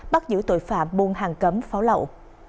bắt giữ tội phạm buôn hàng cấm pháo lậu